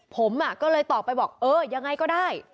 ผมก็เลยตอบไปบอกเออยังไงก็ได้